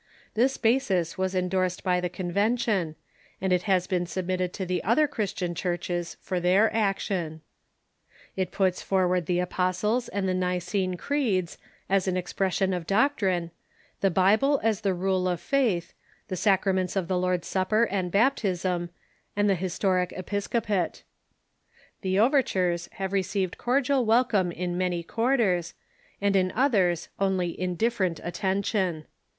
This basis was en dorsed by the Convention, and it has been submitted to the other Christian churches for their action. It puts forward the Apostles' and the Nicene Creeds as an expression of doctrine, the Bible as the rule of faith, the sacraments of the Lord's Supper and baptism, and the historic episcopate. The over tures have received cordial welcome in many quarters, and in others only indifferent attention.